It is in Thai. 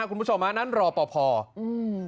คุณผู้ชมมานั่นรอป่อป่ออืม